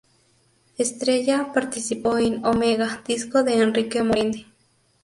Estrella participó en "Omega", disco de Enrique Morente.